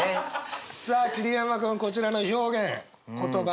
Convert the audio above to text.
さあ桐山君こちらの表現言葉